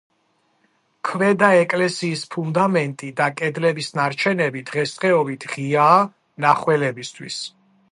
ქვედა ეკლესიის ფუნდამენტი და კედლების ნარჩენები დღესდღეობით ღიაა მნახველებისთვის.